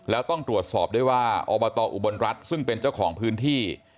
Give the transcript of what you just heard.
แล้วต้องตรวจสอบด้วยว่าอบตอุบลรัฐซึ่งเป็นเจ้าของพื้นที่